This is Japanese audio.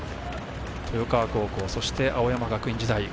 豊川高校そして青山学院時代